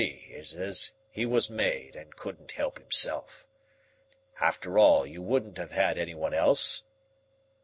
C. is as he was made and couldn't help himself. After all, you wouldn't have had anyone else?"